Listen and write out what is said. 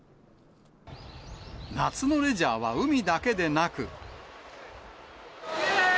夏のレジャーは海だけでなく。